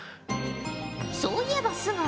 そういえば須貝